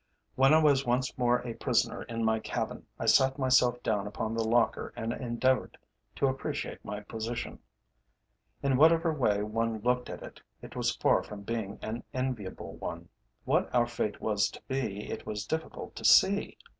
When I was once more a prisoner in my cabin, I sat myself down upon the locker and endeavoured to appreciate my position. In whatever way one looked at it, it was far from being an enviable one. What our fate was to be it was difficult to see.